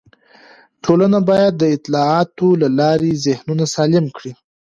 ټولنه باید د اطلاعاتو له لارې ذهنونه سالم کړي.